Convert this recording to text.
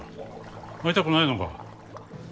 会いたくないのか？